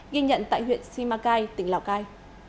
ghi nhận tại huyện simacai tỉnh lào cai